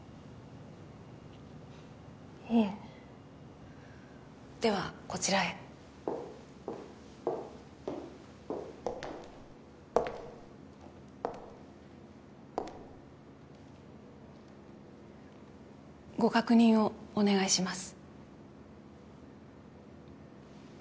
いえではこちらへ・ご確認をお願いします